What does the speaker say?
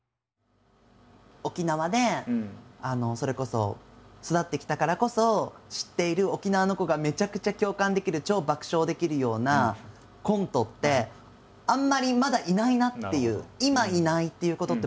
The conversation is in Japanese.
沖縄でそれこそ育ってきたからこそ知っている沖縄の子がめちゃくちゃ共感できる超爆笑できるようなコントってあんまりまだいないなっていう。